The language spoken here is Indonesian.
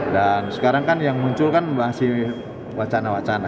dan sekarang kan yang muncul kan masih wacana wacana